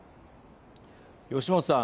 吉元さん。